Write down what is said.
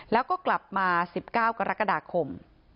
แล้วก็กลับมา๑๙กรกฎาคม